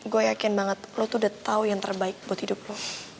gue yakin banget lo tuh udah tau yang terbaik buat hidupku